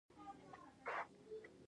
یوه کارګر به د ستنې لپاره سیم ویسته